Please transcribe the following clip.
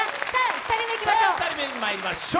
２人目、まいりましょう。